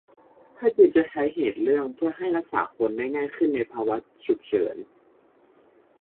ถ้าจีนจะใช้เหตุเรื่องเพื่อให้รักษาคนได้ง่ายขึ้นในภาวะฉุกเฉิน